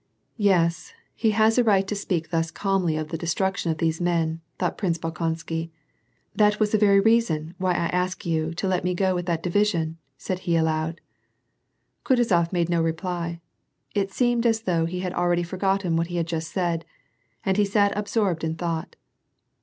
'' Yes, he has a right to speak thus calmly of the destruction of these men/' thought Prince Bolkonksy. "That was tlie very reason why I ask you to let me go with that division," said he aloud. Kutuzof made no reply. It seemed as though he had alreiidy forgotten what he had just said, and he sat absorbed in thought.